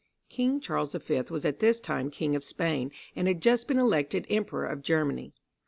(1) King Charles the Fifth was at this time King of Spain, and had just been elected Emperor of Germany.